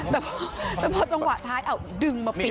แต่พอแต่พอจังหวะท้ายอ่ะดึงมาปิด